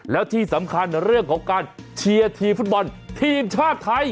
แล้วที่สำคัญเรื่องของการเชียร์ทีมฟุตบอลทีมชาติไทย